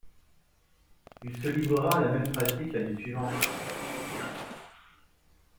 Il se livrera à la même pratique l'année suivante.